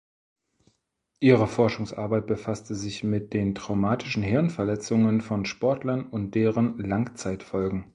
Ihre Forschungsarbeit befasste sich mit den traumatischen Hirnverletzungen von Sportlern und deren Langzeitfolgen.